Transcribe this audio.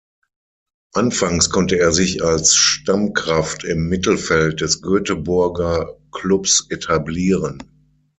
Anfangs konnte er sich als Stammkraft im Mittelfeld des Göteborger Klubs etablieren.